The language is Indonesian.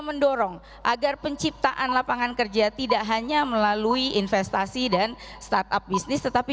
mendorong agar penciptaan lapangan kerja tidak hanya melalui investasi dan startup bisnis tetapi